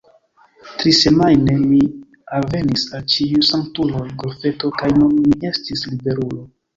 Trisemajne mi alvenis al Ĉiuj Sanktuloj Golfeto, kaj nun mi estis liberulo.